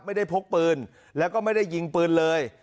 พกปืนแล้วก็ไม่ได้ยิงปืนเลย